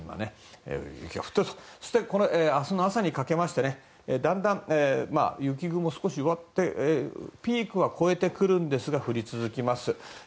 明日の朝にかけてだんだん雪雲が少し弱まってピークは越えてくるんですが降り続きます。